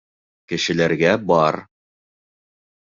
Кешеләргә бар.